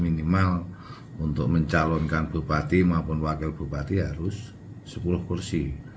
minimal untuk mencalonkan bupati maupun wakil bupati harus sepuluh kursi